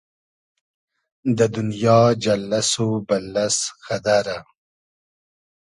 دۂ دونیا جئللئس و بئللئس غئدئرۂ